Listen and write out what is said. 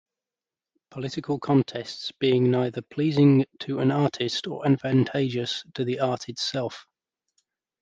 Political contests being neighther pleasing to an artist or advantageous to the Art itself.